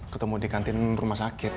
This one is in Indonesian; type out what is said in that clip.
ketemu di kantin rumah sakit